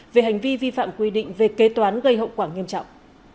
về hành vi vi phạm quy định về kế toán gây hậu quả nghiêm trọng